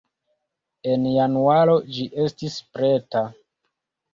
En januaro ĝi estis preta.